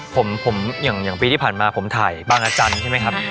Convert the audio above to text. ผมอย่างปีที่ผ่านมาผมถ่ายบางอาจารย์ใช่ไหมครับ